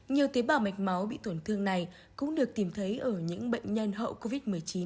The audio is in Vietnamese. nhiều tế bào mạch máu bị tổn thương này cũng được tìm thấy ở những bệnh nhân hậu covid một mươi chín